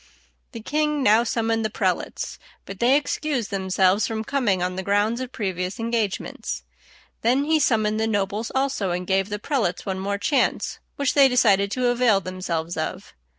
The king now summoned the prelates; but they excused themselves from coming on the grounds of previous engagements. Then he summoned the nobles also, and gave the prelates one more chance, which they decided to avail themselves of.